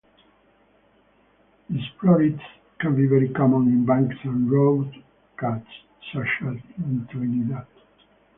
Diplurids can be very common in banks and road cuts, such as in Trinidad.